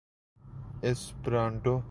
Esperanto